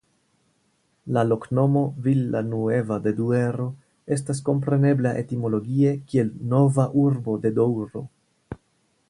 La loknomo "Villanueva de Duero" estas komprenebla etimologie kiel Nova Urbo de Doŭro.